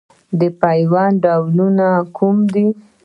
د پیوند ډولونه کوم دي؟